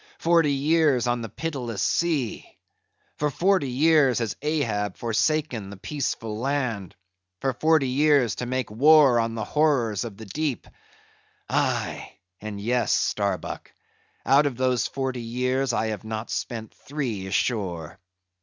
forty years on the pitiless sea! for forty years has Ahab forsaken the peaceful land, for forty years to make war on the horrors of the deep! Aye and yes, Starbuck, out of those forty years I have not spent three ashore.